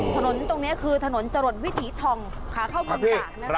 ถนนตรงนี้คือถนนจรดวิถีทองขาเข้ากลุ่มต่าง